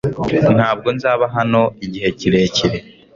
Ntabwo nzaba hano igihe kirekire .